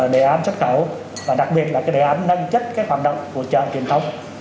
đề án xuất khẩu và đặc biệt là cái đề án nâng chất các hoạt động của trạng truyền thống